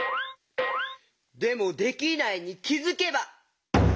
でも「できないに気づけば」？